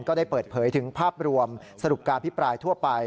ก็ได้เปิดเผยถึงภาพรวมสรุปการพิปรายทั่วไป